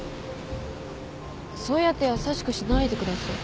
そうやって優しくしないでください。